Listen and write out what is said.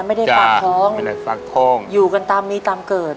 ไม่ได้ฝากท้องอยู่กันตามมีตามเกิด